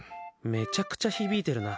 めちゃくちゃ響いてるな。